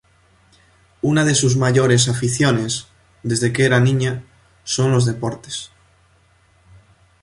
Una de sus mayores aficiones, desde que era niña, son los deportes.